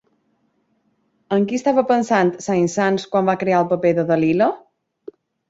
En qui estava pensant Saint-Saëns quan va crear el paper de Dalila?